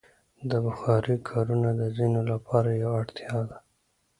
د بخارۍ کارونه د ځینو لپاره یوه اړتیا ده.